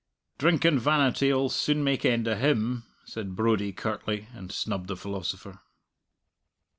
"Drink and vanity'll soon make end of him," said Brodie curtly, and snubbed the philosopher.